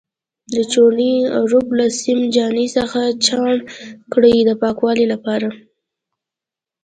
د چونې اړوب له سیم جالۍ څخه چاڼ کړئ د پاکوالي لپاره.